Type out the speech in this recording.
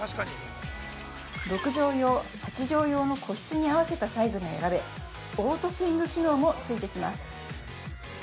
６畳用、８畳用の個室に合わせたサイズが選べオートスイング機能もついてきます。